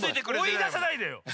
おいださないでよ。